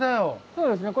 そうですね。